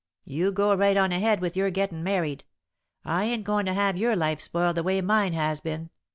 You go right on ahead with your gettin' married. I ain't goin' to have your life spoiled the way mine has been.